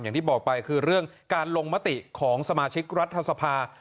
อย่างที่บอกไปคือเรื่องการลงมติของสมาชิกรัฐสภา